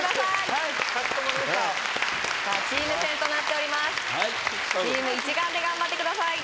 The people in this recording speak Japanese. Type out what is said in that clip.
はいチーム一丸で頑張ってください